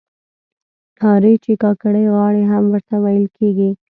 نارې چې کاکړۍ غاړې هم ورته ویل کیږي.